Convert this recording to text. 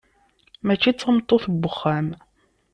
Mačči d tameṭṭut n wexxam.